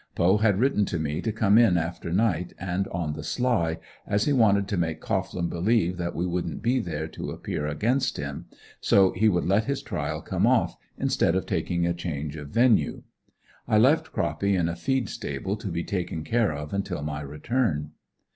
Poe had written to me to come in after night, and on the sly, as he wanted to make Cohglin believe that we wouldn't be there to appear against him, so he would let his trial come off, instead of taking a change of venue. I left Croppy in a feed stable to be taken care of until my return.